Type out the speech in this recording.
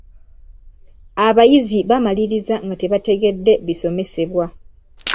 Abayizi bamaliriza nga tebategedde bisomesebwa.